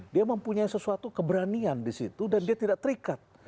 dia mempunyai sesuatu keberanian di situ dan dia tidak terikat